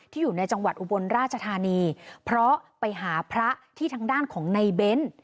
อยู่ในจังหวัดอุบลราชธานีเพราะไปหาพระที่ทางด้านของในเบ้น